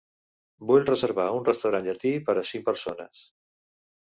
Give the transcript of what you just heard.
Vull reservar un restaurant llatí per a cinc persones.